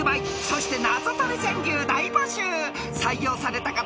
［そして］